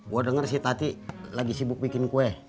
gue dengar si tati lagi sibuk bikin kue